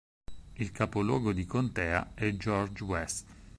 Il capoluogo di contea è George West.